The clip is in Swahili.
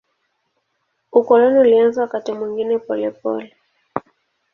Ukoloni ulianza wakati mwingine polepole.